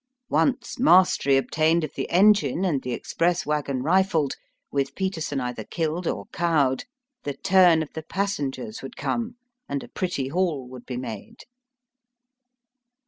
Once mastery obtained of the engine and the express waggon rifled, with Peterson either killed or cowed, the turn of the passengers would come, and a pretty haul would be made.